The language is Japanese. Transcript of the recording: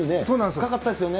深かったですよね。